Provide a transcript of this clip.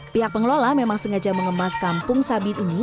pihak pengelola memang sengaja mengemas kampung sabit ini